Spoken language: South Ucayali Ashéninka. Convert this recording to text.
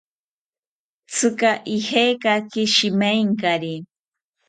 ¿Tzika ijekaki shimaentaki?